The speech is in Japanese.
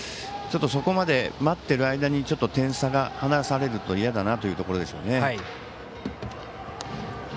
そこまで待ってる間にちょっと、点差が離されると嫌だなというところでしょうね。